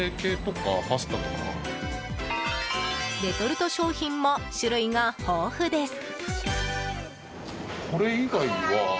レトルト商品も種類が豊富です。